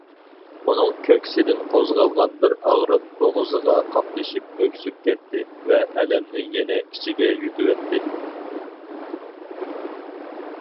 ئۇنىڭ كۆكسىدىن قوزغالغان بىر ئاغرىق بوغۇزىغا قاپلىشىپ ئۆكسۈپ كەتتى ۋە ئەلەمنى يەنە ئىچىگە يۇتۇۋەتتى.